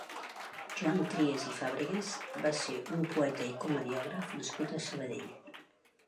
Joan Trias i Fàbregas va ser un poeta i comediògraf nascut a Sabadell.